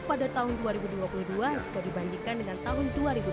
pada tahun dua ribu dua puluh dua jika dibandingkan dengan tahun dua ribu dua puluh